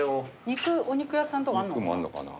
肉お肉屋さんとかあるのかな？